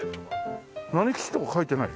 何吉とか書いてない？